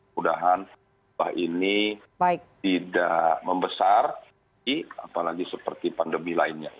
mudahan ini tidak membesar apalagi seperti pandemi lainnya